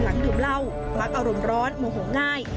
ดื่มเหล้ามักอารมณ์ร้อนโมโหง่าย